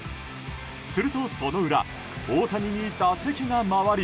すると、その裏大谷に打席が回り。